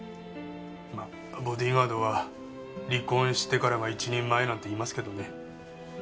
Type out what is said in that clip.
まあボディーガードは離婚してからが一人前なんて言いますけどね。